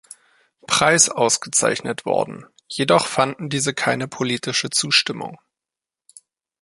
Preis ausgezeichnet worden, jedoch fanden diese keine politische Zustimmung.